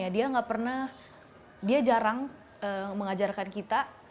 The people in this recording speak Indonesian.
dia nggak pernah dia jarang mengajarkan kita